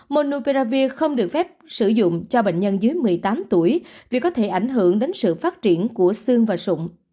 monupravir không được phép sử dụng cho bệnh nhân dưới một mươi tám tuổi vì có thể ảnh hưởng đến sự phát triển của xương và sụng